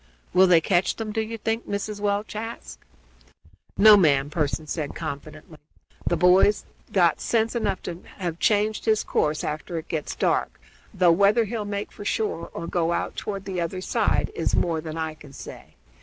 "Will they catch them, do you think?" Mrs. Welch asked. "No, ma'am," Pearson said confidently. "The boy's got sense enough to have changed his course after it gets dark, though whether he'll make for shore or go out toward the other side is more than I can say.